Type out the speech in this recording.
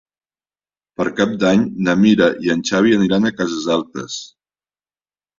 Per Cap d'Any na Mira i en Xavi aniran a Cases Altes.